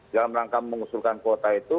dalam rangka mengusulkan kuota itu